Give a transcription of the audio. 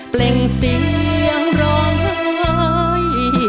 เปล่งเสียงร้อย